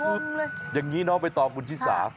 คือยังกิน้องไม่ตอบบุญที่๓